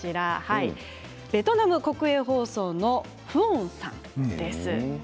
ベトナム国営放送のフオンさんです。